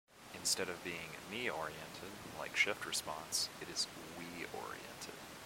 Instead of being me-oriented like shift response, it is we-oriented.